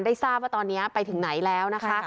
ทราบว่าตอนนี้ไปถึงไหนแล้วนะคะ